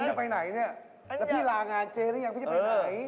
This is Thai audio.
จะไปไหนเนี่ยแล้วพี่ลางานเจ๊หรือยังพี่จะไปไหน